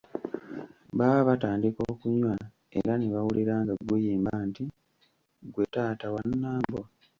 Baba batandika okunywa era nebawulira nga guyimba nti, “gwe taata wa Nambo?"